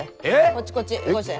こっちこっちよこして。